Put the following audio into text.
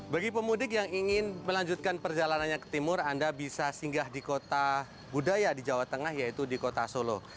bagi pemudik yang ingin melanjutkan perjalanannya ke timur anda bisa singgah di kota budaya di jawa tengah yaitu di kota solo